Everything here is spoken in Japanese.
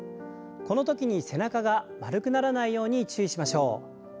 このときに背中が丸くならないように注意しましょう。